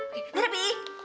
oke dadah pi